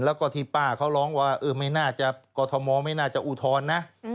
แล้วก็ที่ป้าเขาร้องว่ากอทมไม่น่าจะอุทธรณ์นะ